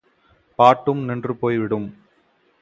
பாட்டும் நின்றுபோய் விடும்.